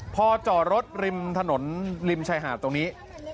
พอจอดรถริมถนนริมชายหาดตรงนี้